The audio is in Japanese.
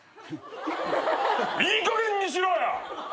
いいかげんにしろよ！